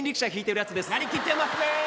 なりきってますね。